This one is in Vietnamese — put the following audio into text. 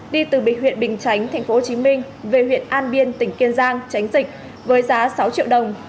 đi từ huyện bình chánh tp hcm về huyện an biên tỉnh kiên giang tránh dịch với giá sáu triệu đồng